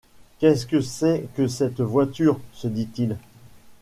Qu’est-ce que c’est que cette voiture ? se dit-il.